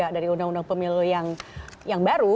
dari undang undang pemilu yang baru